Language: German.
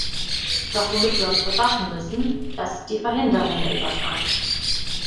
Doch womit wir uns befassen müssen, das ist die Verhinderung der Übertragung.